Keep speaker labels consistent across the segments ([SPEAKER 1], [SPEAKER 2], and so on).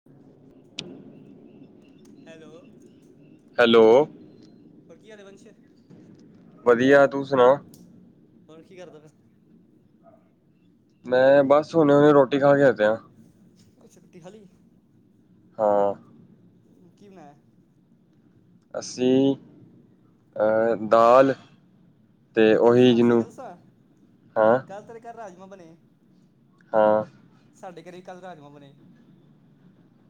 [SPEAKER 1] [inaudible]
[SPEAKER 2] Hello.
[SPEAKER 1] Hello.
[SPEAKER 2] ਹੋਰ ਕੀ ਹਾਲ ਏ ਵੰਸ਼?
[SPEAKER 1] ਵਧੀਆ ਤੂੰ ਸੁਣਾ?
[SPEAKER 2] ਹੁਣ ਕੀ ਕਰਦਾ ਬੇਆ?
[SPEAKER 1] ਮੈਂ ਬਸ ਹੁਣੇ-ਹੁਣੇ ਰੋਟੀ ਖਾ ਕੇ ਹਟਯਾਂ ਆਂ।
[SPEAKER 2] ਅੱਛਾ ਰੁਟੀ ਖਾਲੀ?
[SPEAKER 1] ਹਾਂ।
[SPEAKER 2] ਕੀ ਬਨਾਆ?
[SPEAKER 1] ਅੱਸੀਂ ਅਹ ਦਾਲ। ਤੇ
[SPEAKER 2] ਇਹ ਗੱਲ
[SPEAKER 1] ਉਹੀ
[SPEAKER 2] ਦੱਸਾਂ, ਸਈ
[SPEAKER 1] ਜਿਹਨੂੰ
[SPEAKER 2] ਗੱਲ ਦੱਸਾਂ,
[SPEAKER 1] ਹਾਂ
[SPEAKER 2] ਕੱਲ੍ਹ ਤੇਰੇ ਘਰ ਰਾਜਮਾਂ ਬਣੇ।
[SPEAKER 1] ਹਾਂ।
[SPEAKER 2] ਸਾਡੇ ਘਰੇ ਕੱਲ੍ਹ ਰਾਜਮਾਂ ਬਣੇ।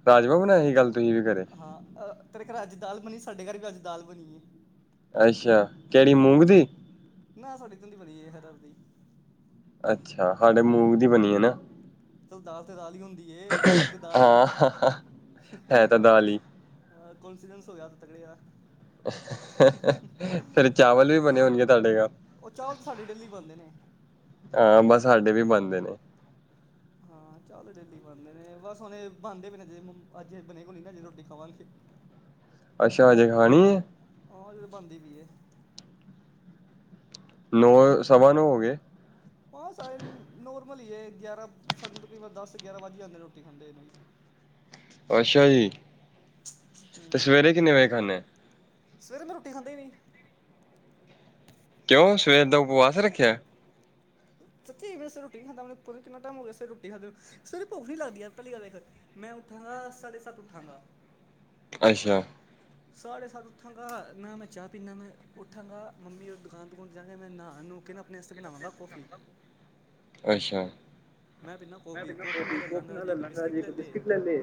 [SPEAKER 1] ਰਾਜਮਾਂ ਬਣਾਏ ਸੀ ਕਲ ਤੁਹੀਂ ਵੀ ਘਰੇ?
[SPEAKER 2] ਹਾਂ ਅ ਤੇਰੇ ਘਰ ਅੱਜ ਦਾਲ ਬਣੀ, ਸਾਡੇ ਘਰ ਵੀ ਅੱਜ ਦਾਲ ਬਣੀਏ।
[SPEAKER 1] ਅੱਛਾ ਕਿਹੜੀ ਮੂੰਗ ਦੀ।
[SPEAKER 2] ਨਾ ਸਾਡੀ ਧਦੀ ਬਣੀ ਏ ਹਰਹਰ ਦੀ
[SPEAKER 1] ਅੱਛਾ ਸਾਡੇ ਮੂੰਗ ਦੀ ਬਣੀ ਹੈ। ਨਾ
[SPEAKER 2] ਚਲ ਦਾਲ ਤੇ ਦਾਲ ਹੀ ਹੁੰਦੀ ਤੇ ਦਾਲ ਹੀ।
[SPEAKER 1] ਹਾਂ ਹੈ ਤਾਂ ਦਾਲ ਹੀ
[SPEAKER 2] ਅ ਕਨਫਿਡੈਂਸ ਹੋ ਗਿਆ ਤਕੜੇ ਯਾਰ ਦਾ।
[SPEAKER 1] ਫੇਰ ਚਾਵਲ ਵੀ ਬਣੇ ਹੋਣਗੇ ਤੁਹਾਡੇ ਘਰ
[SPEAKER 2] ਉਹ ਚਾਵਲ ਤਾਂ ਸਾਡੇ ਡੇਲੀ ਬਣਦੇ ਨੇ।
[SPEAKER 1] ਹਾਂ। ਬਸ ਸਾਡੇ ਵੀ ਬਣਦੇ ਨੇ।
[SPEAKER 2] ਹਾਂ। ਚਾਵਲ ਡੇਲੀ ਬਣਦੇ ਨੇ ਬਸ ਹੁਣ ਇਹ ਬਣਦੇ ਵੀ ਨਾ ਜੇ ਅੱਜ ਬਣੇ ਹੋਣੇ ਰੋਟੀ ਖਾਵਾਂਗੇ। [inaudible]
[SPEAKER 1] ਅੱਛਾ। ਅਜੇ ਖਾਣੀ ਹੈ।
[SPEAKER 2] ਆ ਜੋਂ ਬਣਦੀ ਪਈ
[SPEAKER 1] ਨੌ ਸਵਾ ਨੌ ਹੋ ਗਏ
[SPEAKER 2] ਹਾਂ। ਸਾਰੇ ਨੋਰਮਲੀ ਹੀ ਹੈ ਗਿਆਰਾਂ ਸਾਨੂੰ ਤਕਰੀਬਨ ਦਸ ਗਿਆਰਾਂ ਵੱਜ ਜਾਂਦੇ ਰੋਟੀ ਖਾਂਦੇ ਇਹਨੂੰ ਵੀ। [inaudible]
[SPEAKER 1] ਅੱਛਾ ਜੀ, ਤੇ
[SPEAKER 2] ਹੂੰ
[SPEAKER 1] ਸਵੇਰੇ ਕਿੰਨੇ ਵਜੇ ਖਾਨਦੇ
[SPEAKER 2] ਸਵੇਰੇ ਮੈਂ ਰੋਟੀ ਖਦੀ ਹੀ ਨਹੀਂ।
[SPEAKER 1] ਕਿਉਂ ਸਵੇਰ ਦਾ ਉਪਵਾਸ ਰੱਖਿਆ?
[SPEAKER 2] ਸੱਚੀ ਮੈਂ ਸਵੇਰੇ ਰੋਟੀ ਨੀਂ ਖਾਂਦਾ ਮੈਨੂੰ ਪਤਾ ਨੀਂ ਕਿੰਨਾ ਟਾਈਮ ਹੋ ਗਿਆ, ਸਵੇਰੇ ਰੋਟੀ ਖਾਧੇ ਨੂੰ ਸਵੇਰੇ ਭੁੱਖ ਨਹੀਂ ਲਗਦੀ ਯਾਰ ਪਹਿਲੀ ਗੱਲ ਦੇਖ। ਮੈਂ ਉਠਾਂਗਾ ਸਾਡੇ ਸੱਤ ਉਠਾਂਗਾ।
[SPEAKER 1] ਅੱਛਾ।
[SPEAKER 2] ਸਾਢੇ ਸਤ ਉਠਾਂਗਾ ਨਾ, ਮੈਂ ਚਾਹ ਪੀਂਨਾ ਮੈਂ ਉੱਠਾਂਗਾ ਮੰਮੀ ਉਦੋ ਦੁਕਾਨ ਦਕੂਨ ਤੇ ਜਾਣਗੇ ਮੈ ਨਹਾ ਨੁਹ ਕੇ ਅ ਆਪਣੇ ਵਾਸਤੇ ਬਣਾਵਾਂਗਾ ਕੌਫੀ
[SPEAKER 1] ਅੱਛਾ। ਮੈਂ ਪਹਿਲ ਕਫੀ ਕੌਫੀ ਨਾਲ ਲੈ ਲਾਂਗਾ ਜੇ ਕੋਈ ਬਿਸਕਿਟ ਲੈ ਲਏ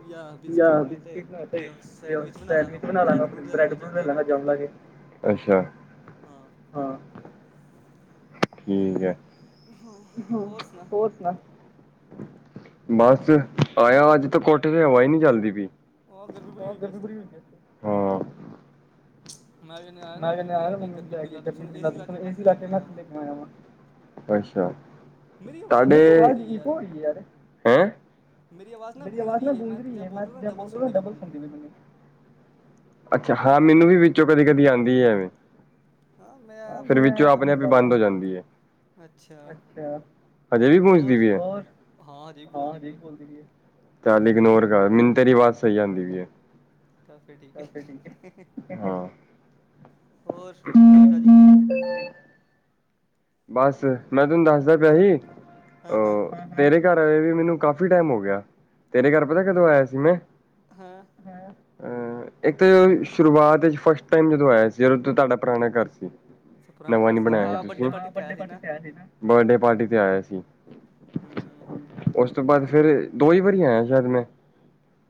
[SPEAKER 1] ਜਾਂ ਬਿਸਕਿਟ ਨਾਲ
[SPEAKER 2] ਤੇ ਸੈਂਡਵਿਚ
[SPEAKER 1] ਸੈਂਡਵਿਚ
[SPEAKER 2] ਆਪਣੇ
[SPEAKER 1] ਬਣਾ ਲਾਂਗਾ
[SPEAKER 2] ਬਰੂਡ
[SPEAKER 1] ਬ੍ਰੈਡ
[SPEAKER 2] ਲਾਂਗਾ ਜਾਮ
[SPEAKER 1] ਬਰੂਦ ਲੈ
[SPEAKER 2] ਲਾ ਕੇ
[SPEAKER 1] ਲਾਂ ਗਾ
[SPEAKER 2] ਹਾਂ।
[SPEAKER 1] ਠੀਕ ਹੈ, ਹਾਂ ਹੋਰ ਸੁਣਾ। ਬਸ ਆਇਆ ਅੱਜ ਤਾਂ ਕੋਠੇ ਤੇ ਹਵਾ ਹੀ ਨਹੀਂ ਚੱਲਦੀ ਪਈ।
[SPEAKER 2] ਬਾਹਹ ਗਰਮੀ ਬੜੀ ਹੋਈ ਇਸ 'ਟਾਈਮ
[SPEAKER 1] ਹਾਂ।
[SPEAKER 2] ਮੈਂ ਵੀ ਆਇਆ ਨਾ
[SPEAKER 1] ਮੈਂ ਕਿਹਾ
[SPEAKER 2] ਮੰਮੀ ਨੂੰ ਲੈ ਕੇ ਗਰਮੀ ਬੜੀ ਲੱਗਦੀ ਸਾਨੂੰ ਏਸੀ ਲਾ ਕੇ ਮੈਂ ਥੱਲੇ ਪਿਆ ਹੋਇਆ ਵਾਂ
[SPEAKER 1] [unintelligible]
[SPEAKER 2] ਮੇਰੀ ਆਵਾਜ਼ ਈਕੋ ਹੋ ਰਹੀ ਹੈ ਯਾਰ
[SPEAKER 1] [unintelligible] ਮੇਰੀ ਆਵਾਜ਼ ਨਾ ਗੂੰਜ ਰਹੀ ਮੈਂ ਜੋ ਬੋਲ ਰਿਹਾ ਨਾ ਡਬਲ ਸੁਣਦੀ ਪਈ ਮੈਨੂੰ ਅੱਛਾ ਹਾਂ ਮੈਨੂੰ ਵੀ ਵਿੱਚੋਂ ਕਦੇ ਕਦੀ ਆਉਂਦੀ ਹੈ ਐਵੇਂ
[SPEAKER 2] ਹਾਂ ਮੈਂ ਆਪ
[SPEAKER 1] ਫਿਰ
[SPEAKER 2] ਹੁੰਦਾ
[SPEAKER 1] ਵਿੱਚੋਂ
[SPEAKER 2] ਪਿਆ
[SPEAKER 1] ਆਪਣੇ ਆਪ ਹੀ ਬੰਦ ਹੋ ਜਾਂਦੀ ਹੈ
[SPEAKER 2] ਅੱਛਾ
[SPEAKER 1] ਅਛਾ, ਹਜੇ ਵੀ ਗੂੰਜਦੀ
[SPEAKER 2] ਹੋਰ
[SPEAKER 1] ਪਈਏ? ਔਰ? ਹਾ ਹਜੇ ਵੀ ਬੋਲਦੀ, ਪਈ ਏ। ਚੱਲ ਇਗਨੋਰ ਕਰ ਮੈਨੂੰ ਤੇਰੀ ਆਵਾਜ਼ ਸਹੀ ਆਂਦੀ ਪਈ ਹੈ
[SPEAKER 2] ਤਾਂ ਫਿਰ
[SPEAKER 1] ਚਲ ਫਿਰ ਠੀਕ
[SPEAKER 2] ਹੈ
[SPEAKER 1] ਏ, ਹਾਂ।
[SPEAKER 2] ਹੋਰ ਨਵੀਂ ਤਾਜ਼ੀ ਕੋਈ
[SPEAKER 1] ਬਸ ਮੈਂ ਤੈਨੂੰ ਦੱਸਦਾ ਪਿਆ ਸੀ।
[SPEAKER 2] ਹਾਂ ਹਾਂ
[SPEAKER 1] ਉਹ ਤੇਰੇ ਘਰ ਆਏ ਵੀ ਮੈਨੂੰ ਕਾਫ਼ੀ ਟਾਈਮ ਹੋ ਗਿਆ ਤੇਰੇ ਘਰ ਪਤਾ ਕਦੋਂ ਆਇਆ ਸੀ ਮੈਂ
[SPEAKER 2] ਹਾਂ।
[SPEAKER 1] ਹਾਂ। ਇੱਕ ਤਾਂ ਸ਼ੁਰੂਆਤ ਵਿੱਚ ਫਸਟ ਟਾਈਮ ਜਦੋਂ ਆਇਆ ਸੀ ਜਦੋਂ ਤੁਹਾਡਾ ਪੁਰਾਣਾ ਘਰ ਸੀ।
[SPEAKER 2] ਅੱਛਾ ਪੁਰਾਣਾ
[SPEAKER 1] ਨਵਾਂ
[SPEAKER 2] ਘਰ
[SPEAKER 1] ਨੀ
[SPEAKER 2] ਸੀ
[SPEAKER 1] ਬਣਾਇਆ ਵੀ
[SPEAKER 2] ਹਾਂ ਬਰਡੇ
[SPEAKER 1] ਤੁਸੀਂ
[SPEAKER 2] ਪਾਰਟੀ ਤੇ ਆਇਆ
[SPEAKER 1] ਬਰਡੇ
[SPEAKER 2] ਸੀ ਨਾ
[SPEAKER 1] ਪਾਰਟੀ ਤੇ ਆਇਆ ਸੀ
[SPEAKER 2] ਹੂੰ ਹੂੰ ਹੂੰ
[SPEAKER 1] ਉਸ ਤੋਂ ਬਾਅਦ ਫਿਰ, ਦੋ ਈ ਵਾਰੀ ਆਇਆ ਸ਼ਾਇਦ, ਮੈਂ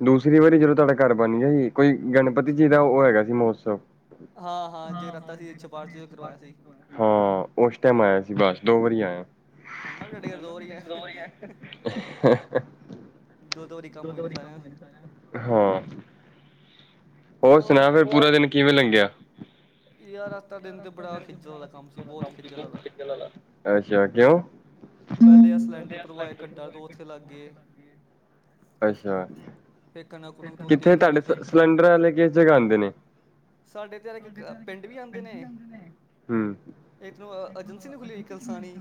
[SPEAKER 1] ਦੂਸਰੀ ਵਾਰੀ ਜਦੋਂ ਤੁਹਾਡਾ ਘਰ ਬਣ ਗਿਆ ਸੀ। ਕੋਈ ਗਣਪਤੀ
[SPEAKER 2] ਅੱਛਾ
[SPEAKER 1] ਜੀ ਦਾ ਉਹ ਹੈਗਾ ਸੀ ਮਹੋਤਸਵ।
[SPEAKER 2] ਹਾਂ -ਹਾਂ ਜਗਰਾਤਾ ਸੀ ਚਪਾਲ 'ਚ ਕਰਵਾਇਆ ਸੀ।
[SPEAKER 1] ਹਾਂ ਉਸ ਟਾਈਮ ਆਇਆ ਸੀ ਬਸ, ਦੋ ਵਾਰੀ ਆਇਆ
[SPEAKER 2] ਹ ਮੈਂ ਵੀ ਤੁਹਾਡੇ ਘਾਰ, ਦੋ ਰਹੀ ਆ ਦੋ ਦੋ ਵਾਰੀ ਕੰਮ ਹੋਏ ਨੇ ਸਾਰਿਆਂ ਦੇ
[SPEAKER 1] ਹਾਂ। ਹੋਰ ਸੁਣਾ, ਫਿਰ ਪੂਰਾ ਦਿਨ ਕਿਵੇਂ ਲੰਘਿਆ
[SPEAKER 2] ਯਾਰ ਅੱਜ ਦਾ ਦਿਨ ਤੇ ਬੜਾ ਖਿੱਜਲ ਵਾਲਾ ਕੰਮ ਸੀ, ਬਹੁਤ ਖਿੱਜਲ ਵਾਲਾ।
[SPEAKER 1] ਅੱਛਾ ਕਿਉਂ
[SPEAKER 2] ਪਹਿਲੇ ਅ ਸਿਲੰਡਰ ਭਰਵਾਏ, ਘੰਟੇ ਤੋਂ ਉੱਥੇ ਲਾਂਗੇ ਗਏ।
[SPEAKER 1] ਅੱਛਾ
[SPEAKER 2] ਫਿਰ ਕਣਕ ਕੁਣਕ ਧੋਤੀ
[SPEAKER 1] ਕਿੱਥੇ ਤੁਹਾਡੇ
[SPEAKER 2] ਕਣਕ ਫਿਰ
[SPEAKER 1] ਸਿਲੰਡਰ ਵਾਲੇ ਕਿਸ ਜਗ੍ਹਾ ਆਉਂਦੇ ਨੇ
[SPEAKER 2] ਸਾਡੇ ਤੇ ਯਾਰ ਇੱਕ
[SPEAKER 1] ਤੁਹਾਡੇ ਪਿੰਡ ਵੀ ਜਾਂਦੇ ਨੇ
[SPEAKER 2] ਇਧਰ ਨੂੰ ਅ, ਏਜੰਸੀ ਨੀ ਖੁੱਲੀ ਇੱਕ ਕਲਸਾਣੀ।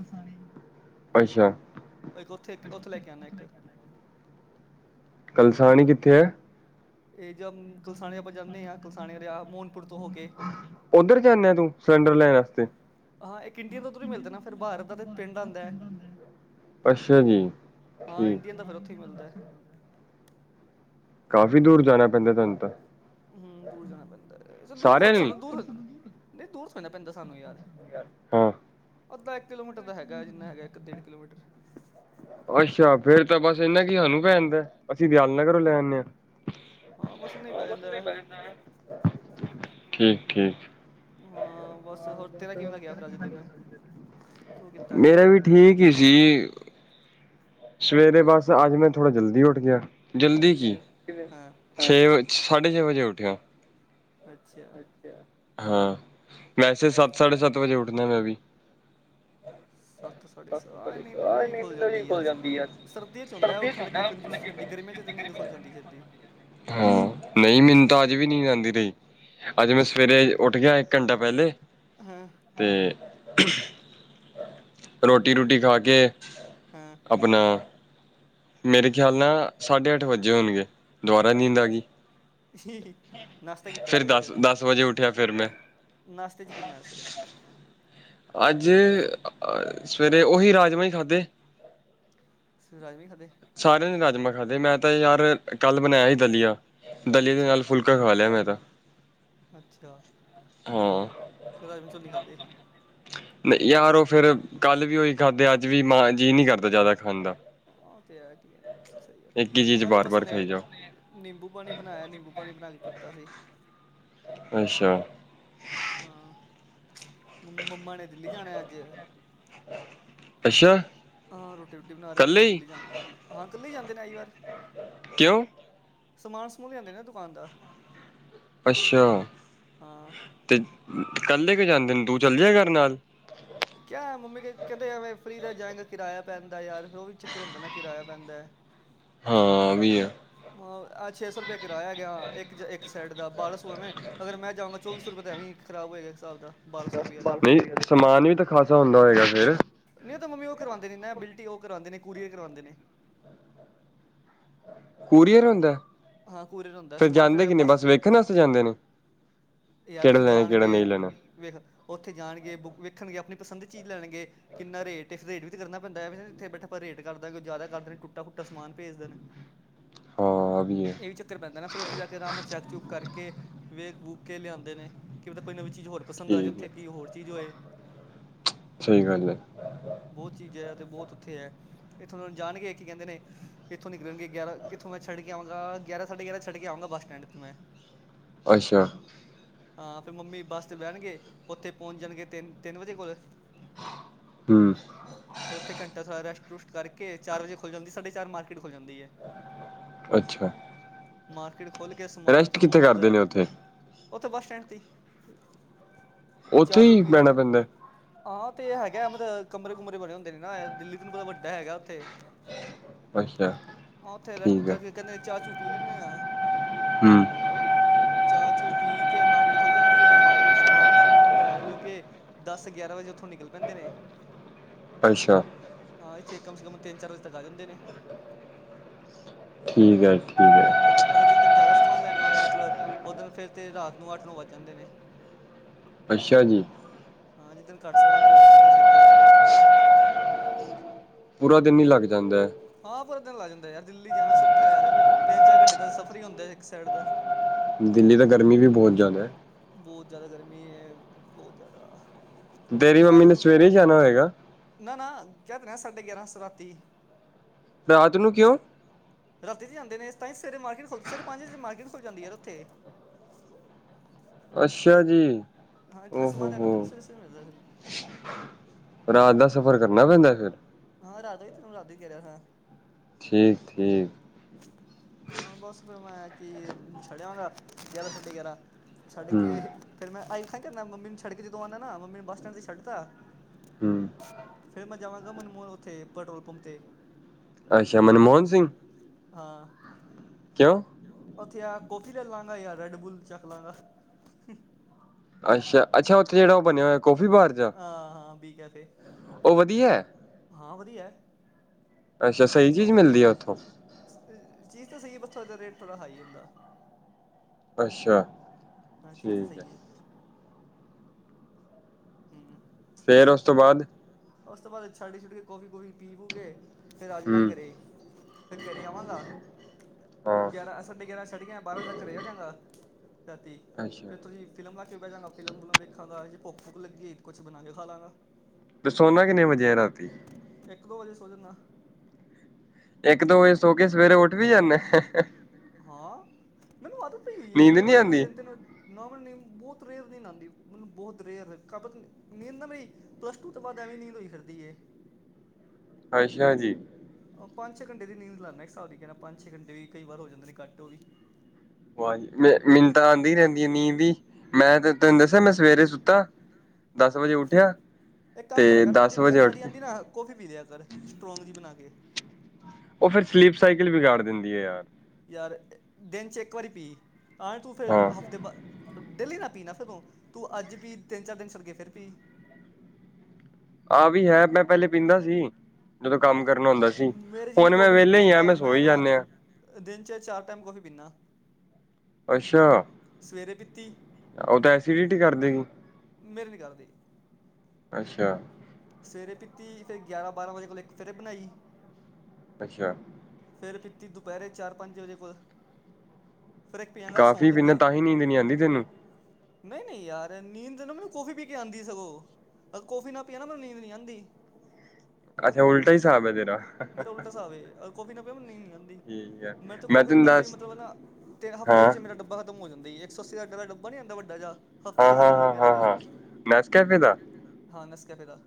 [SPEAKER 1] ਅੱਛਾ
[SPEAKER 2] ਉਹ ਇੱਕ ਉੱਥੇ ਇੱਕ ਉੱਥੇ ਲੈ ਕੇ ਆਉਂਦਾ ਇੱਕ
[SPEAKER 1] ਕਲਸਾਣੀ ਕਿੱਥੇ ਹੈ।
[SPEAKER 2] ਇਹ ਜਾਂ ਕਲਸਾਣੇ ਆਪਾਂ ਜਾਂਨੇ ਆਂ, ਕਲਸਾਣੇ ਆਲੇ ਰਾਹ, ਮੋਹਨਪੁਰ ਤੋਂ ਹੋ ਕੇ
[SPEAKER 1] ਉੱਧਰ ਜਾਂਨਾਂ ਐ ਤੂੰ ਸਿਲੰਡਰ ਲੈਣ ਵਾਸਤੇ
[SPEAKER 2] ਹਾਂ ਇੱਕ ਇੰਡੀਅਨ ਦਾ ਓਧਰੋਂ ਹੀ ਮਿਲਦਾ ਨਾ, ਫਿਰ ਭਾਰਤ ਦਾ ਤੇ ਪਿੰਡ ਆਉਂਦਾ ਹੈ
[SPEAKER 1] ਅੱਛਾ ਜੀ
[SPEAKER 2] ਹਾਂ,
[SPEAKER 1] ਠੀਕ
[SPEAKER 2] ਇੰਡੀਅਨ ਤੇ ਫਿਰ ਉੱਥੇ ਈ ਮਿਲਦਾ।
[SPEAKER 1] ਕਾਫ਼ੀ ਦੂਰ ਜਾਣਾ ਪੈਂਦਾ ਤੁਹਾਨੂੰ ਤਾਂ
[SPEAKER 2] ਹੂ, ਦੂਰ ਜਾਣਾ ਪੈਂਦਾ,
[SPEAKER 1] ਸਾਰਿਆਂ ਨੂੰ
[SPEAKER 2] ਦੂਰਾਨ ਦੂਰ ਨਹੀਂ ਦੂਰ ਜਾਣਾ ਪੈਂਦਾ ਸਾਨੂੰ ਯਾਰ-
[SPEAKER 1] ਹਾਂ
[SPEAKER 2] ਅੱਧਾ ਇੱਕ ਕਿਲੋਮੀਟਰ ਦਾ ਹੈਗਾ, ਜਿੰਨਾ ਹੈਗਾ ਇੱਕ ਡੇਢ ਕਿਲੋਮੀਟਰ।
[SPEAKER 1] ਅੱਛਾ ਫੇਰ ਤਾਂ ਬਸ ਇਹਨਾ ਕੀ ਸਾਨੂੰ ਪੈਣਦਾ ਅਸੀਂ ਵਿਆਲ ਨਗਰੋਂ ਲੈ ਆਣੇ ਹਾਂ
[SPEAKER 2] ਹਾਂ ਬਸ ਇੰਨਾ ਹੀ ਪੈ ਜਾਂਦਾ ਹੈ
[SPEAKER 1] ਠੀਕ -ਠੀਕ
[SPEAKER 2] ਹਾਂ ਬਸ ਹੋਰ ਤੇਰਾ ਕਿਵੇਂ ਦਾ ਗਿਆ ਫਿਰ ਅੱਜ ਦਿਨ ਤੂੰ ਕੀਤਾ ਫਿਰ ਅੱਜ
[SPEAKER 1] ਮੇਰਾ ਵੀ ਠੀਕ ਈ ਸੀ ਸਵੇਰੇ ਬਸ, ਆਜ ਮੈਂ ਥੋੜਾ ਜਲਦੀ ਉੱਠ ਗਿਆ। ਜਲਦੀ ਕੀ,
[SPEAKER 2] ਕਿਵੇਂ ਹਾਂ
[SPEAKER 1] ਛੇ ਵ, ਸਾਢੇ ਛੇ ਵਜੇ ਉੱਠਿਆ।
[SPEAKER 2] ਅੱਛਾ
[SPEAKER 1] ਹਾਂ, ਵੈਸੇ ਸੱਤ ਸਾਢੇ ਸੱਤ ਵਜੇ ਉੱਠਣਾ ਮੈਂ ਵੀ
[SPEAKER 2] ਸੱਤ ਸਾਢੇ ਸਤ, ਹਾਂ ਨੀਂਦ ਇੰਣੇ ਵਜੇ ਖੁੱਲ ਜਾਂਦੀ ਹੈ ਯਾਰ ਸਰਦੀਆਂ ਚ ਹੁੰਦਾ ਏ ਉੱਠਣ ਲੱਗੇ ਕੰਜੂਸੀ ਹੁੰਦੀ, ਗਰਮੀਆਂ ਚ ਤਾਂ ਨੀਂਦ ਖੁਲ ਜਾਂਦੀ ਛੇਤੀ।
[SPEAKER 1] ਹਾਂ ਨਹੀਂ, ਮੈਨੂੰ ਤਾਂ ਅੱਜ ਵੀ ਨਹੀਂ ਜਾਂਦੀ ਰਹੀ ਅੱਜ ਮੈਂ ਸਵੇਰੇ ਉੱਠ ਗਿਆ, ਇੱਕ ਘੰਟਾ ਪਹਿਲੇ
[SPEAKER 2] ਹਾਂ
[SPEAKER 1] ਤੇ ਰੋਟੀ ਰੂਟੀ ਖਾ ਕੇ
[SPEAKER 2] ਹਾਂ
[SPEAKER 1] ਆਪਣਾ। ਮੇਰੇ ਖਿਆਲ ਨਾਲ, ਸਾਢੇ ਅੱਠ ਵੱਜੇ ਹੋਣਗੇ, ਦੁਬਾਰਾ ਨੀਂਦ ਆ ਗਈ।
[SPEAKER 2] ਨਾਸ਼ਤਾ ਕੀਤਾ
[SPEAKER 1] ਫਿਰ
[SPEAKER 2] ਸਵੇਰੇ
[SPEAKER 1] ਦਸ -ਦਸ ਵਜੇ ਉੱਠਿਆ ਫੇਿਰ ਮੈਂ
[SPEAKER 2] ਨਾਸ਼ਤੇ 'ਚ ਕੀ ਬਣਾਇਆ ਸਵੇਰੇ?
[SPEAKER 1] ਅੱਜ ਸਵੇਰੇ, ਉਹੀ ਰਾਜਮਾ ਹੀ ਖਾਧੇ
[SPEAKER 2] ਸਿਰ੍ਫ ਰਾਜਮਾ ਹੀ ਖਾਦੇੇ
[SPEAKER 1] ਸਾਰਿਆਂ ਨੇ ਰਾਜਮਾਂ ਖਾਧੇ, ਮੈਂ ਤਾਂ ਯਾਰ ਕੱਲ੍ਹ ਬਣਾਇਆ ਸੀ ਦਲੀਆ ਦਲੀਆ ਦੇ ਨਾਲ ਫੁਲਕਾ। ਫੁਲਕਾ ਖਾ ਲਿਆ ਮੈਂ ਤਾਂ।
[SPEAKER 2] ਅੱਛਿਆ,
[SPEAKER 1] ਹਾਂ
[SPEAKER 2] ਕਿਉਂ, ਰਾਜਮਾਂ ਚੌਲ ਨਈ ਖਾਧੇ।
[SPEAKER 1] ਨਹੀਂ ਯਾਰ, ਉਹ ਫੇਰ, ਕੱਲ ਵੀ ਉਹੀ ਖਾਧਿਆ, ਅੱਜ ਵੀ ਮਾਂ ਜੀਅ ਨਹੀਂ ਕਰਦਾ ਜ਼ਿਆਦਾ ਖਾਣ ਦਾ।
[SPEAKER 2] ਹਾਂ ਤੇ ਹੈ ਠੀਕ ਹੈ, ਸਹੀ ਗੱਲ
[SPEAKER 1] ਇੱਕ ਹੀ ਚੀਜ਼
[SPEAKER 2] ਮੈਂ ਵੀ
[SPEAKER 1] ਬਾਰ
[SPEAKER 2] ਬਸ
[SPEAKER 1] ਬਾਰ
[SPEAKER 2] ਹੁਣੇ
[SPEAKER 1] ਖਾਈ ਜਾਓ
[SPEAKER 2] ਨਿੰਬੂ ਪਾਣੀ ਬਣਾਇਆ, ਨਿੰਬੂ ਪਾਣੀ ਬਣਾ ਕੇ ਪੀਤਾ ਸੀ।
[SPEAKER 1] ਅੱਛਾ।
[SPEAKER 2] ਹਾਂ, ਮੰਮਾ ਨੇ ਦਿੱਲੀ ਜਾਣਾ ਅੱਜ
[SPEAKER 1] ਅੱਛਾ
[SPEAKER 2] ਹਾਂ ਰੋਟੀ ਰੂਟੀ ਬਣਾ ਰਹੇ ਨੇ, ਫਿਰ
[SPEAKER 1] ਕੱਲੇ ਹੀ
[SPEAKER 2] ਦਿੱਲੀ ਜਾਣ ਹਾਂ ਇਕੱਲੇ ਜਾਂਦੇ ਕੇਈ ਵਾਰ
[SPEAKER 1] ਕਿਓ?
[SPEAKER 2] ਕਿਉਂ? ਸਮਾਨ ਸਮੂਨ ਲਿਆਂਦੇ ਨੇ ਦੁਕਾਨ ਦਾ।
[SPEAKER 1] ਅੱਛਾ
[SPEAKER 2] ਹਾਂ।
[SPEAKER 1] ਤੇ ਕੱਲੇ ਕਿਉ ਜਾਂਦੇ ਨੇ ਤੂੰ ਚੱਲ ਜਿਆ ਕਰ ਨਾਲ
[SPEAKER 2] ਕਿਹਾ ਮੰਮੀ ਕਹਿੰਦੇ ਐਵੇਂ ਫਰੀ ਦਾ ਜਾਏਗਾ ਕਿਰਾਇਆ ਪੈਂਦਾ ਯਾਰ ਫਿਰ ਉਹ ਵੀ ਚੱਕਰ ਹੁੰਦਾ ਨਾ ਕਿਰਾਇਆ ਪੈਂਦਾ
[SPEAKER 1] ਹਾਂ ਆ ਵੀ ਆ।
[SPEAKER 2] ਮਹ ਛੇ ਸੌ ਰੁਪਏ ਕਿਰਾਇਆ ਹੈ ਗਿਆ ਇੱਕ- ਇੱਕ ਸਾਈਡ ਦਾ ਬਾਰਾਂ ਸੋ ਐਵੇਂ ਅਗਰ ਮੈਂ ਜਾਵਾਂਗਾ। ਚੌਵੀ ਸੌ ਰੁਪਏ ਤਾ ਐਵੇਂ ਇੱਕ ਖਰਾਬ ਹੋਏਗਾ ਇੱਕ ਸਾਲ ਦਾ
[SPEAKER 1] ਦਸ
[SPEAKER 2] ਰੁਪਏ ਦੇ
[SPEAKER 1] ਬਨਦੇ ਸਮਾਨ ਵੀ ਤਾਂ ਖਾਸਾ ਹੁੰਦਾ ਹੋਏਗਾ ਫਿਰ
[SPEAKER 2] ਨਹੀਂ ਉਹ ਤਾਂ ਮੰਮੀ ਉਹ ਕਰਵਾਂਦੇ ਨੇ ਨਾ ਬਿਲਟੀ ਉਹ ਕਰਵਾਂਦੇ ਨੇ ਕੋਰੀਅਰ ਕਰਵਾਂਦੇ ਨੇ।
[SPEAKER 1] ਕੋਰੀਅਰ ਹੁੰਦਾ
[SPEAKER 2] ਹਾਂ ਕੂਰੀਅਰ ਹੁੰਦਾ
[SPEAKER 1] ਫਿਰ
[SPEAKER 2] ਸਮਾਨ
[SPEAKER 1] ਜਾਂਦੇ ਕਿ ਨਹੀਂ ਬਸ
[SPEAKER 2] ਤੁਰ-
[SPEAKER 1] ਵੇਖਣ ਵਾਸਤੇ ਜਾਂਦੇ ਨੇ।
[SPEAKER 2] ਯਾਰ
[SPEAKER 1] ਕਿਹੜਾ
[SPEAKER 2] ਉੱਥੇ
[SPEAKER 1] ਲੈਣਾ ਕਿਹੜਾ
[SPEAKER 2] ਜਾਣਗੇ
[SPEAKER 1] ਨਹੀਂ ਲੈਣਾ।
[SPEAKER 2] ਵੇਖ ਉਥੇ ਜਾਣਗੇ ਬੁਕ ਵੇਖਣਗੇ ਆਪਣੀ ਪਸੰਦ ਦੀ ਚੀਜ਼ ਲੈਣਗੇ। ਕਿੰਨਾ ਰੇਟ-ਰੇਟ ਵੀ ਤੇ ਕਰਨਾ ਪੈਂਦਾ ਹੈੇ ਬੈਠਾ ਰੇਟ ਕਰਦਾ ਕੋਈ ਜ਼ਿਆਦਾ ਕਰਦੇ ਟੁਟਾ ਫੁੱਟਾਂ ਸਮਾਨ ਭੇਜ ਦੇਣ।
[SPEAKER 1] ਹਾਂ ਐ ਵੀ ਏ।
[SPEAKER 2] ਇਹ ਵੀ ਚੱਕਰ ਪੈਂਦਾ ਨਾ ਫਿਰ ਉਥੇ ਜਾ ਕੇ ਆਰਾਮ ਨਾਲ ਚੈੱਕ ਚੁੱਕ ਕਰਕੇ ਵੇਖ ਵੂਖ ਕੇ ਲਿਆਂਂਦੇ ਨੇ ਕਿਵੇ ਤਾਂ ਕੋਈ ਨਵੀਂ ਚੀਜ਼ ਹੋਰ ਪਸੰਦ ਆ
[SPEAKER 1] ਠੀਕ
[SPEAKER 2] ਜਿਥੇ
[SPEAKER 1] ਹੈ
[SPEAKER 2] ਕਿ ਹੋਰ ਚੀਜ਼ ਹੋਏ।
[SPEAKER 1] ਸਹੀ ਗੱਲ ਹੈ
[SPEAKER 2] ਬਹੁਤ ਚੀਜ਼ਾਂ ਹੈ ਅਤੇ ਬਹੁਤ ਉਥੇ ਹੈ ਇਥੋਂ ਜਾਣ ਕੇ ਕੀ ਕਹਿੰਦੇ ਨੇ ਇੱਥੋਂ ਨਿਕਲਣਗੇ ਗਿਆਰਾਂ ਇੱਥੋਂ ਮੈਂ ਛੱਡ ਕੇ ਆਵਾਂਗਾ ਗਿਆਰਾਂ ਸਾਢੇ ਗਿਆਰਾਂ ਛੱਡ ਕੇ ਆਵਾਂਗਾ ਬੱਸ ਸਟੈਂਡ ਤੇ ਮੈਂ
[SPEAKER 1] ਅੱਛਾ
[SPEAKER 2] ਹਾਂ ਫੇਰ ਮੰਮੀ ਬੱਸ ਤੇ ਬੈਣਗੇ ਓਥੇ ਪੁਹੰਚ ਜਾਣਗੇ ਤਿੰਨ-ਤਿੰਨ ਵਜੇ ਕੋਲ
[SPEAKER 1] ਹੂੰ
[SPEAKER 2] ਫਿਰ ਉਥੇ ਘੰਟਾ ਥੋੜਾ ਰੈਸਟ ਰੂਸਟ ਕਰਕੇ ਚਾਰ ਵਜੇ ਖੁੱਲ ਜਾਂਦੀ ਸਾਡੇ ਚਾਰ ਮਾਰਕੀਟ ਖੁੱਲ ਜਾਂਦੀ ਏ।
[SPEAKER 1] ਅੱਛਾ
[SPEAKER 2] ਮਾਰਕੀਟ ਖੋਲ੍ਹ ਕੇ
[SPEAKER 1] ਰੈਸਟ ਕਿੱਥੇ
[SPEAKER 2] ਸਮਾਨ-ਸਮੂਨ
[SPEAKER 1] ਕਰਦੇ
[SPEAKER 2] ਲੈ
[SPEAKER 1] ਨੇ ਉੱਥੇ
[SPEAKER 2] ਕ ਬੱਸ ਸਟੈਂਡ ਤੇਈ
[SPEAKER 1] ਉੱਥੇ
[SPEAKER 2] ਚਾਹ-ਚੂ
[SPEAKER 1] ਹੀ
[SPEAKER 2] ਪੀ
[SPEAKER 1] ਪੈਣਾ
[SPEAKER 2] ਲੈਂਦ
[SPEAKER 1] ਪੈਂਦਾ
[SPEAKER 2] ਹਾਂ ਤੇ ਇਹ ਹੈਗਾ ਮਤਲਬ ਕਮਰੇ ਕੁਮਰੇ ਬਣੇ ਹੁੰਦੇ ਨੇ ਨਾ ਦਿੱਲੀ ਤੈਨੂੰ ਪਤਾ ਵੱਡਾ ਹੈਗਾ ਉਥੇ
[SPEAKER 1] ਅੱਛਾ
[SPEAKER 2] ਉਥੇ ਰੈਸਟ
[SPEAKER 1] ਠੀਕ ਹੈ
[SPEAKER 2] ਕਰਕੇ ਕਦੇ ਚਾਹ ਚੂ ਪੀ ਲੈਣੇ ਆ।
[SPEAKER 1] ਹੂੰ
[SPEAKER 2] ਚਾ-ਚੂ ਪੀ ਕੇ ਮਾਰਕੀਟ ਖੋਲ ਜਾਂਦੀ ਏ ਫਿਰ ਮਾਰਕੀਟ 'ਚ ਸਮਾਨ-ਸਮੂਨ ਲੈ ਲੂ ਕੇ ਦਸ-ਗਿਆਰਾਂ ਵਜੇ ਉਥੋਂ ਨਿਕਲ ਪੈਂਦੇ ਨੇ।
[SPEAKER 1] ਅੱਛਾ
[SPEAKER 2] ਹਾਂ ਇੱਥੇ ਕਮ ਸੇ ਕਮ ਤਿੰਨ-ਚਾਰ ਵਜੇ ਤੱਕ ਆ ਜਾਂਦੇ ਨੇ।
[SPEAKER 1] ਠੀਕ ਹੈ-ਠੀਕ ਹੈ।
[SPEAKER 2] ਅ ਅਗਰ ਜਿੱਦਣ ਜੈਦਾ ਸਮਾਨ ਲੈਣਾ ਹੋਏ ਮਤਲਬ ਓਦਨ ਫੇਰ ਤੇ ਰਾਤ ਨੂੰ ਅੱਠ-ਨੋ ਵੱਜ ਜਾਂਦੇ ਨੇ।
[SPEAKER 1] ਅੱਛਾ ਜੀ।
[SPEAKER 2] ਹਾਂ ਜਿੱਦਣ ਘੱਟ ਸਮਾਨ ਹੈ ਨਹੀਂ ਫਿਰ ਉਦਨ ਛੇਤੀ ਆ ਜਾਂਦੇ ਨੇ।
[SPEAKER 1] ਪੂਰਾ ਦਿਨ ਹੀ
[SPEAKER 2] ਹੂੰ
[SPEAKER 1] ਲੱਗ ਜਾਂਦਾ।
[SPEAKER 2] ਹਾਂ ਪੂਰਾ ਦਿਨ ਲੱਗ ਜਾਂਦਾ ਯਾਰ ਦਿੱਲੀ ਜਾਣਾ ਸ ਖੈ ਯਾਰ ਤਿੰਨ-ਚਾਰ ਘੰਟੇ ਦਾ ਤੇ ਸਫ਼ਰ ਹੀ ਹੁੰਦੈ ਇੱਕ ਸੈਡ ਦਾ
[SPEAKER 1] ਦਿੱਲੀ ਤਾਂ ਗਰਮੀ ਵੀ ਬੋਤ ਜਿਆਦਾ
[SPEAKER 2] ਬੌਤ ਜਿਆਦਾ ਗਰਮੀ ਏ ਬੌਤ ਜਿਆਦਾ
[SPEAKER 1] ਤੇਰੀ ਮੰਮੀ ਨੇ ਸਵੇਰੇ ਹੀ ਜਾਣਾ ਹੋਏਗਾ।
[SPEAKER 2] ਨਾ-ਨਾ ਕਹਿ ਦੇਣਾ [unintelligible] ਸਾਢੇ ਗਿਆਰਾਂ ਸ ਰਾਤੀ
[SPEAKER 1] ਰਾਤ ਨੂੰ ਕਿਉ
[SPEAKER 2] ਰਾਤੀ 'ਚ ਜਾਂਦੇ ਨੇ ਤਾਂ ਸਵੇਰੇ ਮਾਰਕੀਟ ਸਵੇਰੇ ਪੰਜ ਵਜੇ ਮਾਰਕੀਟ ਖੁੱਲ ਜਾਂਦੀ ਹੈ ਉਥੇ
[SPEAKER 1] ਅੱਛਾ ਜੀ।
[SPEAKER 2] ਹਾਂ ਇੱਕਲਾ
[SPEAKER 1] ਓ
[SPEAKER 2] ਸਮਾਨ
[SPEAKER 1] ਹੋ
[SPEAKER 2] ਲੈਣਾ
[SPEAKER 1] ਹੋ
[SPEAKER 2] ਤੈਨੂੰ ਸਵੇਰੇ -ਸਵੇਰੇ ਮਿਲ ਜਾਏਗਾ।
[SPEAKER 1] ਰਾਤ ਦਾ ਸਫ਼ਰ ਕਰਨਾ ਪੈਂਦਾ ਫਿਰ
[SPEAKER 2] ਹਾਂ ਰਾਤ ਦਾ ਹੀ ਤੈਨੂੰ ਰਾਤੀਂ ਕਹਿ ਰਿਹਾ ਹਾਂ।
[SPEAKER 1] ਠੀਕ-ਠੀਕ
[SPEAKER 2] ਹਾਂ, ਬਸ ਫਿਰ ਮੈਂ ਕਿ ਛੱਡ ਆਂ ਗਾ ਗਿਆਰਾਂ ਸਾਡੇ ਗਿਆਰਾਂ। ਛੱਡ
[SPEAKER 1] ਹੂੰ
[SPEAKER 2] ਕੇ, ਫਿਰ ਮੈਂ ਆਈ [unintelligible] ਤਾ ਪਤਾ ਕੀ ਕਰਦਾ ਮੰਮੀ ਨੂੰ ਛੱਡ ਕੇ ਜਦੋਂ ਆਉਂਦਾ ਨਾ, ਮੰਮੀ ਨੂੰ ਬੱਸ ਸਟੈਂਡ ਤੇ ਛੱਡ ਤਾ
[SPEAKER 1] ਹੂੰ
[SPEAKER 2] ਫਿਰ, ਮੈਂ ਜਾਵਾਂਗਾ ਮਨ ਮਹਨ ਉੱਥੇ ਪੈਟਰੋਲ ਪੰਪ ਤੇ।
[SPEAKER 1] ਅੱਛਾ, ਮਨਮੋਹਨ ਸਿੰਘ?
[SPEAKER 2] ਹਾ।
[SPEAKER 1] ਕਿਉਂ?
[SPEAKER 2] ਔਥੇ ਆ, ਕੋੌਫੀ ਲੈ ਲਾਂਗਾ ਯਾ ਰੈਡ, ਬੁਲ ਚੱਕ ਲਾਂਗਾ।
[SPEAKER 1] ਅੱਛਾ, ਅੱਛਾ ਔਥੇ ਜੇੜਾ ਔ ਬਣਿਆ ਹੋਇਆ ਕੋਫੀ ਬਾਰ?
[SPEAKER 2] ਹਾਂ, ਹਾਂ ਬੀ ਕੈਫੇ।
[SPEAKER 1] ਔ ਵਧੀਐ?
[SPEAKER 2] ਹਾਂ, ਵਧੀਆ ਹੈ।
[SPEAKER 1] ਅੱਛਾ, ਸਹੀ ਚੀਜ਼ ਮਿਲਦੀ ਹੈ ਓਥੋਂ?
[SPEAKER 2] ਚੀਜ਼ ਤਾਂ ਸਹੀ ਏ ਬਸ ਥੋੜਾ ਜਾ ਰੇਟ ਥੋੜ੍ਹਾ ਹਾਈ ਹੋੰਦਾ।
[SPEAKER 1] ਅੱਛਾ
[SPEAKER 2] ਆ ਚੀਜ਼ ਤਾਂ
[SPEAKER 1] ਠੀਕ
[SPEAKER 2] ਸਹੀ
[SPEAKER 1] ਹੈ
[SPEAKER 2] ਏ। ਹੂੰ, ਹੁੰ।
[SPEAKER 1] ਫਿਰ, ਓਸ ਤੋਂ ਬਾਦ?
[SPEAKER 2] ਉਸ ਤੋਂ ਬਾਅਦ ਛੱਡ, ਛੁੱੜ ਕੇ ਕੌਫ਼ੀ, ਕੂਫੀ ਪੀ, ਪੂ ਕੇ ਫਿਰ ਆ ਜਾਣਾ
[SPEAKER 1] ਹੂੰ
[SPEAKER 2] ਘਰੇ। ਫਿਰ ਘਰੇ ਆਵਾਂਗਾ,
[SPEAKER 1] ਹਾਂ
[SPEAKER 2] ਗਿਆਰਾਂ, ਸਾਢੇ ਗਿਆਰਾਂ ਛੱਡ ਕੇ ਬਾਰਾਂ ਵਜੇ ਤੱਕ ਘਰੇ ਆ ਜਾਂਗਾ। ਰਾਤੀਂ,
[SPEAKER 1] ਅੱਛਾ
[SPEAKER 2] ਫਿਰ ਤੁਸੀਂ‌ ਫਿਲਮ ਲਾ ਕੇ ਬੈ ਜਾਂਗਾ ਫਿਲਮ, ਫੂਲਮ ਵੇਖਾਂਗਾ ਜੇ ਭੋਖ, ਭੁੱਖ ਲੱਗੀ ਹੋਈ ਕੁਛ ਬਣਾ ਕੇ ਖਾ ਲਾਂਗਾ।
[SPEAKER 1] ਤੇ ਸੌਣਾ ਕਿੰਨੇ ਵਜੇ ਰਾਤੀਂ?
[SPEAKER 2] ਇੱਕ, ਦੋ ਵਜੇ ਸੋ ਜਾਨਾ।
[SPEAKER 1] ਇੱਕ, ਦੋ ਵਜੇ ਸੌ ਕੇ ਸਵੇਰੇ ਉੱਠ ਵੀ ਜਾਂਦੇ?
[SPEAKER 2] ਹਾਂ, ਮੈਨੂੰ ਆਦਤ ਪਈ ਹੈ
[SPEAKER 1] ਨੀਂਦ
[SPEAKER 2] ਕਈ
[SPEAKER 1] ਨਹੀਂ
[SPEAKER 2] ਵਾਰ ਤੇ ਮੈਂ
[SPEAKER 1] ਆਉਂਦੀ
[SPEAKER 2] ਤਿੰਨ ਤਿੰਨ ਵਜੇ ਨੋਰਮਲ ਨੀੰਦ ਬੌਤ ਰੇਅਰ ਨੀੰਦ ਆੰਦੀ, ਮੈਨੂੰ ਬੌਤ ਰੇਅਰ ਕਾਤਕ ਨੀਂਦ ਨਾ ਲਈ। ਪਲੱਸ ਟੂ ਤੋਂ ਬਾਅਦ ਐਵੇਂ ਨੀਂਦ ਹੋਈ ਫਿਰਦੀ ਏ।
[SPEAKER 1] ਅੱਛਾ, ਜੀ।
[SPEAKER 2] ਅ ਪੰਜ, ਛੇ ਘੰਟੇ ਦੀ ਨੀਂਦ ਲੈਨਾ ਇੱਕ ਹਿਸਾਬ ਦੀ ਕੈਣਾ ਪੰਜ-ਛੇ ਘੰਟੇ ਵੀ ਕਈ ਵਾਰ ਹੋ ਜਾਂਦੇ ਨੇ ਘੱਟ ਓਹ ਵੀ।
[SPEAKER 1] ਵਾਹ ਜੀ, ਮੇ ਮੇਨ ਤਾ ਆੰਦੀ ਰੈੰਦੀ ਏ ਨੀਂਦ ਈ ਮੈਂ ਤੇ ਤੈਨੂੰ ਦੱਸਾ, ਮੈਂ ਸਵੇਰੇ ਸੁੱਤਾ ਦਸ, ਵਜੇ ਉੱਠਿਆ।
[SPEAKER 2] ਏਕ ਕੰਮ ਕਰਿਆ
[SPEAKER 1] ਤੇ
[SPEAKER 2] ਕਰ ਤੈਨੂੰ ਜੇ
[SPEAKER 1] ਦਸ ਵਜੇ
[SPEAKER 2] ਨੀਂਦ
[SPEAKER 1] ਉੱਠ
[SPEAKER 2] ਜੈਦੀ
[SPEAKER 1] ਕੇ
[SPEAKER 2] ਆੰਦੀ ਨਾ ਕੋਫੀ ਪੀ ਲਿਆ ਕਰ, ਸਟੋੰਗ ਜੀ ਬਣਾ ਕੇ।
[SPEAKER 1] ਉਹ ਫਿਰ ਸਲੀਪ, ਸਾਈਕਲ ਵਿਗਾੜ ਦਿੰਦੀ ਏ ਯਾਰ।
[SPEAKER 2] ਯਾਰ ਦੇਨ ਚ ਇੱਕ ਵਾਰੀ ਪੀ ਆ ਨੀ ਤੂੰ ਫੇਰ
[SPEAKER 1] ਹਾਂ
[SPEAKER 2] ਹਫ਼ਤੇ ਬਾ ਡੇਲੀ ਨਾ ਪੀ ਨਾ ਫਿਰ ਤੂੰ ਅੱਜ ਪੀ, ਤਿੰਨ, ਚਾਰ ਦਿਨ ਛੱਡ ਕੇ ਫੇਰ ਪੀ।
[SPEAKER 1] ਆਹ ਵੀ ਹੈ, ਮੈਂ ਪੈਲੇ ਪੀਂਦਾ ਸੀ। ਜਦੋਂ ਕੰਮ ਕਰਨਾ ਹੁੰਦਾ ਸੀ, ਹੁਣ ਮੈਂ ਵਿਹਲਾ ਹੀ ਆ, ਮੈਂ ਸੋਈ ਜਾਣੇ ਆ।
[SPEAKER 2] ਦਿਨ ਚ, ਚਾਰ ਟਾਈਮ ਕੌਫੀ ਪੀਣਾ ਹਾਂ।
[SPEAKER 1] ਅਸ਼ਾ।
[SPEAKER 2] ਸਵੇਰੇ ਪੀਤੀ।
[SPEAKER 1] ਔ ਤਾਂ ਐਸੀਡਿਟੀ ਕਰਦੀ ਗ।
[SPEAKER 2] ਮੇਰੇ ਨੀ ਕਰਦੀ।
[SPEAKER 1] ਅੱਸ਼ਾ।
[SPEAKER 2] ਸਵੇਰੇ ਪੀਤੀ, ਫਿਰ ਗਿਆਰਾਂ, ਬਾਰਾਂ ਵਜੇ ਕੋਲ ਇੱਕ ਫੇਰ ਬਣਾਈ।
[SPEAKER 1] ਅੱਸ਼ਾ।
[SPEAKER 2] ਫੇਰ, ਪੀਤੀ ਦੁਪਹਿਰੇ ਚਾਰ, ਪੰਜ ਵਜੇ ਕੋਲ। ਫਿਰ, ਇਕ ਪਿਆਗਾ ਸੌਣ
[SPEAKER 1] ਕਾਫ਼ੀ ਪੀਨਾ
[SPEAKER 2] ਲੱਗੇ।
[SPEAKER 1] ਤਾਂ ਹੀ ਨੀਂਦ ਨੀ ਆਉਂਦੀ ਤੈਨੂੰ
[SPEAKER 2] ਨਹੀਂ, ਨਹੀਂ ਯਾਰ ਨੀਂਦ ਨਾ ਮੈਨੂੰ ਕੌਫੀ ਪੀ ਕੇ ਆਂਦੀ ਸਗੋਂ, ਅਗ ਕੌਫੀ ਨਾ ਪੀਆ ਨਾ ਮੈਨੂੰ ਨੀਂਦ ਨਹੀਂ ਆਂਦੀ।
[SPEAKER 1] ਅੱਛਾ, ਉਲਟਾ ਈ ਸਾਬ ਹੈ ਤੇਰਾ। ਹਾ, ਹਾ।
[SPEAKER 2] ਅ ਕਾਫੀ ਨਾ ਪਿਆ ਮੈਨ ਨੀੰਦ ਨੀ ਆੰਦੀ,
[SPEAKER 1] ਹੈ
[SPEAKER 2] ਮੇਰੇ ਤਾਂ
[SPEAKER 1] ਮੈਂ
[SPEAKER 2] ਕੌਫੀ ਦੇ
[SPEAKER 1] ਤੈਨੂੰ
[SPEAKER 2] ਡੱਬੇ ਈ
[SPEAKER 1] ਦੱਸ
[SPEAKER 2] ਮਤਲਬ ਨਾ ਤਿੰਨ ਹਫ਼ਤੇ
[SPEAKER 1] ਹਾਂ
[SPEAKER 2] ਵਿੱਚ ਮੇਰਾ ਡੱਬਾ ਖਤਮ ਹੋ ਜਾਂਦੀ ਏ ਏਕ, ਸੌ ਅਸੀ ਦਾ ਤੇਰਾ ਡੱਬਾ ਨੀ ਆੰਦਾ ਵੱਡਾ ਜਾ ਹਫ਼ਤੇ
[SPEAKER 1] ਹਾਂ
[SPEAKER 2] ਚ'
[SPEAKER 1] ਹਾਂ
[SPEAKER 2] ਖਤਮ ਹੋਈ
[SPEAKER 1] ਹਾਂ
[SPEAKER 2] ਮੇਰਾ
[SPEAKER 1] ਹਾਂ
[SPEAKER 2] ਤੇ,
[SPEAKER 1] ਹਾਂ
[SPEAKER 2] ਨਸ ਕੈਫੇ ਦਾ, ਹਾਂ ਨਸ ਕੈਫੇ ਦਾ।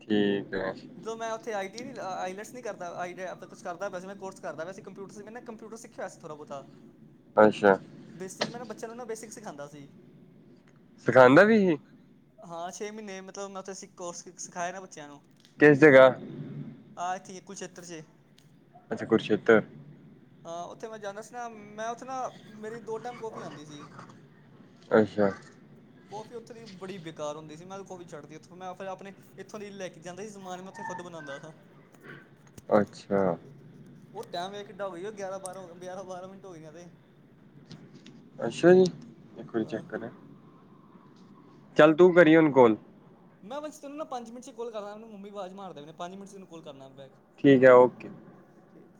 [SPEAKER 1] ਠੀਕ ਐ।
[SPEAKER 2] ਜੋ ਮੈਂ ਔ ਉੱਥੇ ਆਈ ਟੀ ਨੀ ਆ, ਆਈਲੈਟਸ ਨੀ ਕਰਦਾ ਆਈ ਦੇ, ਅਪਾ ਕੁਛ ਕਰਦਾ ਵੈਸੇ ਮੈਂ ਕੋਰਸ ਕਰਦਾ ਵੈਸੇ ਕੰਪਯੂਟਰ ਸਿਖੇ ਮੈਂ। ਕੰਪਿਊਟਰ ਸਿੱਖਿਆ ਸੀ ਥੋੜ੍ਹਾ -ਬੌਤਾ। [inaudible]
[SPEAKER 1] ਅੱਛਾ।
[SPEAKER 2] ਬੇਸਿਕ, ਮੈ ਨਾ ਬੱਚਿਆਂ ਨੂੰ ਨਾ ਬੇਸਿਕ ਸਿਖਾੰਦਾ ਸੀ।
[SPEAKER 1] ਸਿਖਾਉਂਦਾ ਵੀ ਸੀ।
[SPEAKER 2] ਹਾਂ, ਛੇ ਮੀਨੇ ਮਤਲਬ ਮੈਂ ਔਥੇ ਸਿ ਕੋਰਸ ਸਿਖਾਏ ਨਾ ਬੱਚਿਆਂ ਨੂੰ।
[SPEAKER 1] ਕਿਸ ਜਗਾਂ।
[SPEAKER 2] ਆਹ ਇੱਥੇ ਕੁਰੂਕਸ਼ੇਤਰ ਸੀ।
[SPEAKER 1] ਅੱਛਾ, ਕੁਰੂਕਸ਼ੇਤਰ।
[SPEAKER 2] ਹਾਂ, ਓਥੇ ਮੈਂ ਜਾਂਦਾ ਸੀ ਨਾ, ਮੈਂ ਓਥੇ ਨਾ ਮੇਰੀ ਦੋ ਟੈਮ ਕੌਫੀ ਆੰਦੀ ਸੀ।
[SPEAKER 1] ਅੱਛਾ
[SPEAKER 2] ਕੌਫੀ ਔਥੇ ਦੀ ਬੜੀ ਬੇਕਾਰ ਹੋੰਦੀ ਸੀ, ਮੈਂ ਤੇ ਕੋਫੀ ਛੱਡਤੀ, ਏਥੋਂ ਮੈਂ ਫੇਰ ਆਪਣੇ ਇੱਥੋਂ ਦੀ ਲੈ ਕੇ ਜਾਂਦਾ ਸੀ ਸਮਾਨ ਮੈਂ। ਉਥੇ ਖੁਦ ਬਣਾੰਦਾ ਸਾਂ।
[SPEAKER 1] ਅੱਛਾ।
[SPEAKER 2] ਉਹ ਟੈਮ ਵ ਕਿੱਡਾ ਹੋਈ ਉਹ ਗਿਆਰਾਂ- ਬਾਰਾਂ, ਗਿਆਰਾਂ- ਬਾਰਾਂ ਮਿੰਟ ਹੋ ਗਈਆਂ ਤੇ।
[SPEAKER 1] ਅੱਛਾ ਜੀ। ਇੱਕ ਵਾਰੀ
[SPEAKER 2] ਹਾਂ
[SPEAKER 1] ਚੈੱਕ ਕਰਾ। ਚੱਲ ਤੂੰ ਕਰੀ ਹੁੰਣ ਕੋਲ।
[SPEAKER 2] ਮੈਂ ਤੈਨੂੰ ਨਾ ਪੰਜ ਮਿੰਟ ਚ' ਕੋਲ ਕਰਨਾ, ਮੈਨੂ ਮੰਮੀ ਆਵਾਜ਼ ਮਾਰ ਦੇ ਪਏ ਪੰਜ ਮਿੰਟ ਚ ਤੈੂੰ ਕੋਲ ਕਰਨਾ ਬੈਕ।
[SPEAKER 1] ਠੀਕ ਹੈ, ਓਕੇ।
[SPEAKER 2] ਠੀਕ।